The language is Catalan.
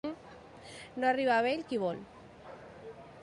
No arriba a vell qui vol.